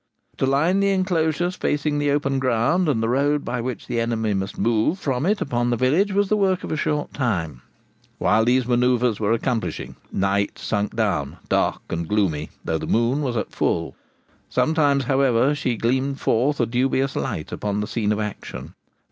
To line the enclosures facing the open ground and the road by which the enemy must move from it upon the village was the work of a short time. While these manoeuvres were accomplishing, night sunk down, dark and gloomy, though the moon was at full. Sometimes, however, she gleamed forth a dubious light upon the scene of action.